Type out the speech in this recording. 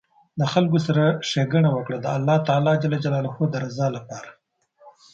د خلکو سره ښیګڼه وکړه د الله تعالي د رضا لپاره